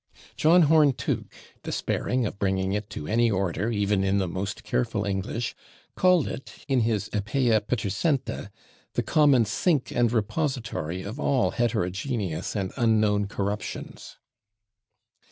John Horne Tooke, despairing of bringing it to any [Pg228] order, even in the most careful English, called it, in his "Epea Ptercenta," "the common sink and repository of all heterogeneous and unknown corruptions."